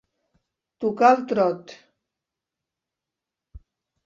Tocar el trot.